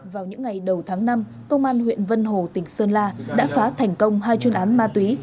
vào những ngày đầu tháng năm công an huyện vân hồ tỉnh sơn la đã phá thành công hai chuyên án ma túy